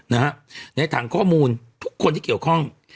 ในถังข้อมูลทุกคนที่เกี่ยวข้อง